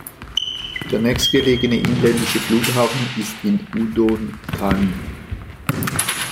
Der nächstgelegene inländische Flughafen ist in Udon Thani.